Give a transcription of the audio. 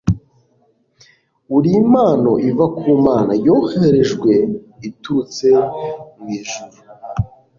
uri impano iva ku mana, yoherejwe iturutse mu ijuru